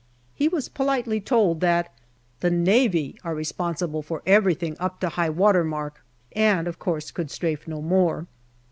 He was politely told that " The Navy are responsible for everything up to high water mark/' and of course could strafe no more.